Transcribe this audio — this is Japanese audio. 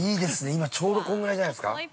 今ちょうど、こんぐらいじゃないですか。